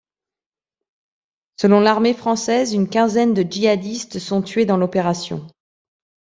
Selon l'armée française, une quinzaine de djihadistes sont tués dans l'opération.